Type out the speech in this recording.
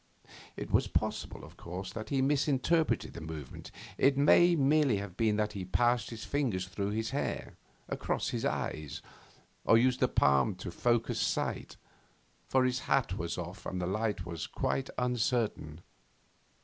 It was possible, of course, that he misinterpreted the movement; it may merely have been that he passed his fingers through his hair, across his eyes, or used the palm to focus sight, for his hat was off and the light was quite uncertain.